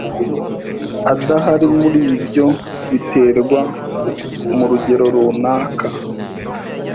adahari muri ibyo biterwa mu rugero runaka